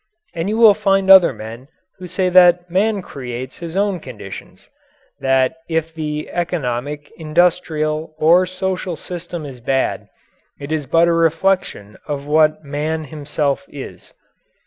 And you will find other men who say that man creates his own conditions; that if the economic, industrial, or social system is bad, it is but a reflection of what man himself is.